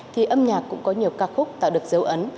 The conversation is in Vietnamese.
thì âm nhạc cũng có nhiều ca khúc tạo được dấu ấn